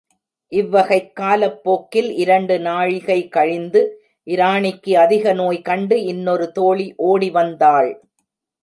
இவ்வகைக் காலப் போக்கில் இரண்டு நாழிகை கழிந்து இராணிக்கு அதிக நோய் கண்டு இன்னொரு தோழி ஒடி வநதாள்.